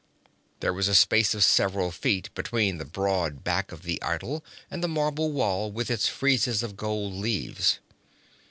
There was a space of several feet between the broad back of the idol and the marble wall with its frieze of gold leaves.